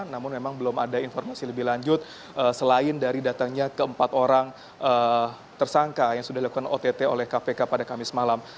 namun memang belum ada informasi lebih lanjut selain dari datangnya keempat orang tersangka yang sudah dilakukan ott oleh kpk pada kamis malam